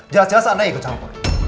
jelas jelas anda ikut cawapres